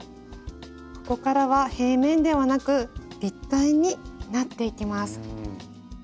ここからは平面ではなく立体になっていきます。